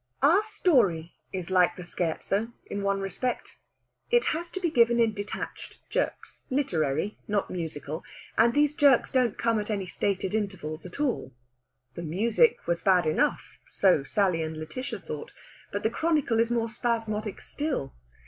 Our story is like the scherzo in one respect: it has to be given in detached jerks literary, not musical and these jerks don't come at any stated intervals at all. The music was bad enough so Sally and Lætitia thought but the chronicle is more spasmodic still.